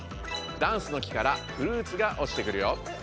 ダンスの木からフルーツがおちてくるよ。